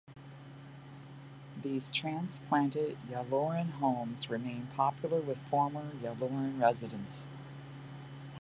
These transplanted Yallourn homes remain popular with former Yallourn residents.